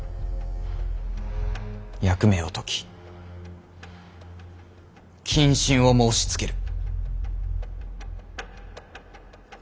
役目を解き謹慎を申しつける。